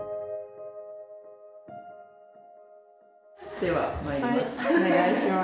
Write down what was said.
ではまいります。